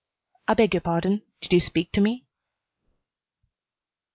"I beg your pardon. Did you speak to me?"